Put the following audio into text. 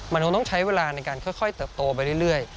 มันคงต้องใช้เวลาในการค่อยเติบโตไปเรื่อย